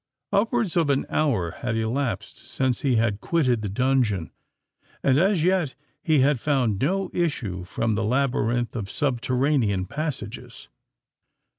Upwards of an hour had elapsed since he had quitted the dungeon—and as yet he had found no issue from that labyrinth of subterranean passages.